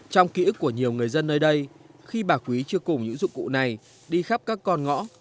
trong ký ức của nhiều người dân nơi đây khi bà quý chưa cùng những dụng cụ này đi khắp các con ngõ